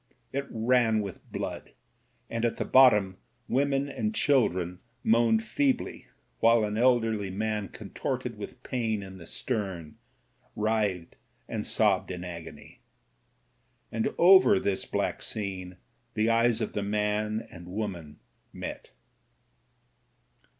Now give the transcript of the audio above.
It ran with blood ; and at the bottom women and chil dren moaned feebly, while an elderly man contorted with pain in the stem, writhed and sobbed in agony. And over this black scene the eyes of the man and the woman met.